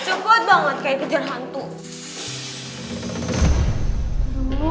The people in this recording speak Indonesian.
cepet banget kayak kejar hantu